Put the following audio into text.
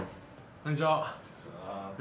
こんにちは。